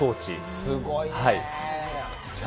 すごいね。